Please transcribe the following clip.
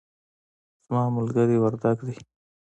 زما ملګری وردګ دی